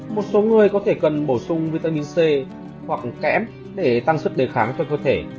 một số người có thể cần bổ sung vitamin c hoặc kẽm để tăng sức đề kháng cho cơ thể